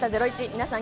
皆さん